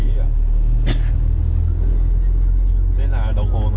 nên là đồng hồ nó mới tính tiền được như vậy